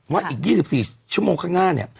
ว่าอีก๒๔ชั่วโมงข้างหน้า